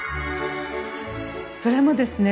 それもですね